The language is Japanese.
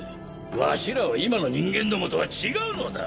わしらは今の人間どもとは違うのだ。